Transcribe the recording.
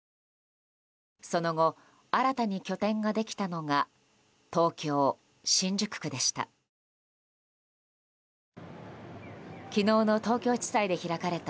その後、新たに拠点ができたのが東京・新宿区でした。